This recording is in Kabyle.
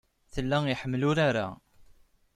Tella iḥemmel urar-a.